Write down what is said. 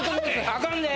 あかんで！